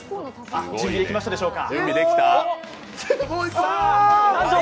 準備できましたでしょうか。